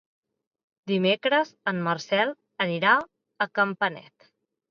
Dimecres en Marcel anirà a Campanet.